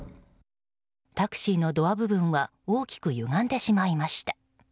タクシーのドア部分は大きくゆがんでしまいました。